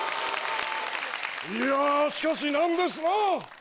いやしかし何ですなぁ。